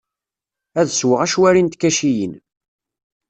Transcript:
Ad sweɣ acwari n tkaciyin.